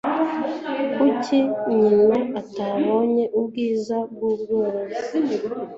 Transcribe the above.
Kuki nyina atabonye ubwiza bw'ubworozi?